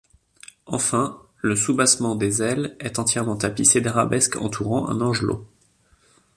Enfin, le soubassement des ailes est entièrement tapissé d'arabesques entourant un angelot.